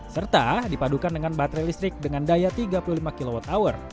serta dipadukan dengan baterai listrik dengan daya tiga puluh lima kwh